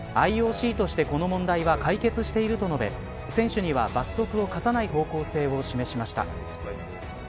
ＩＯＣとしてこの問題は解決していると述べ選手には罰則を科さない方向性を示しました。